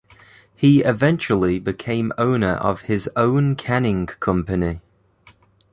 He eventually became owner of his own canning company.